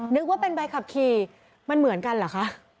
นึกว่าเป็นใบขับขี่มันเหมือนกันเหรอคะ